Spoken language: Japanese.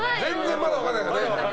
まだ分からないからね。